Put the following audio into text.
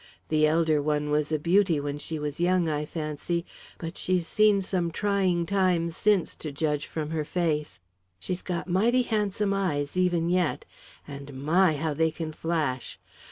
The elder one was a beauty when she was young, I fancy, but she's seen some trying times since, to judge from her face. She's got mighty handsome eyes, even yet and my! how they can flash.